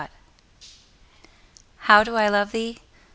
XLIII How do I love thee?